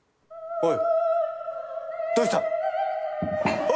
おい！